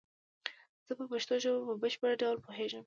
زه په پشتو ژبه په بشپړ ډول پوهیږم